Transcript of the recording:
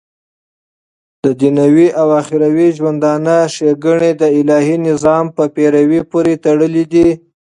ددنيوي او اخروي ژوندانه ښيګڼي دالهي نظام په پيروۍ پوري تړلي دي